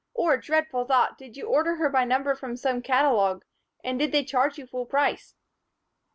Or, dreadful thought! Did you order her by number from some catalogue? And did they charge you full price?"